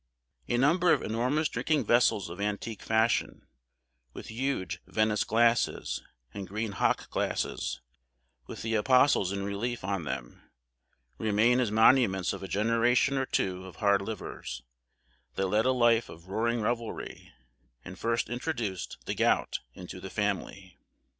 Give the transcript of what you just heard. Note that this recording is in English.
A number of enormous drinking vessels of antique fashion, with huge Venice glasses, and green hock glasses, with the apostles in relief on them, remain as monuments of a generation or two of hard livers, that led a life of roaring revelry, and first introduced the gout into the family.